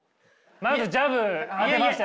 まずジャブ当てましたよ